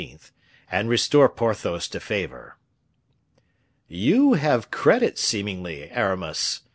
and restore Porthos to favor." "You have credit, seemingly, Aramis!"